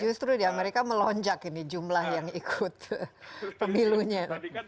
justru di amerika melonjak ini jumlah yang ikut pemilunya